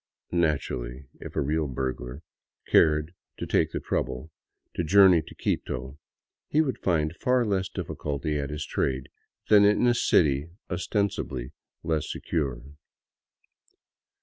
Naturally, if a real burglar cared to take the trouble to journey to Quito, he would find far less difficulty at his trade than in a city os tensibly less secure.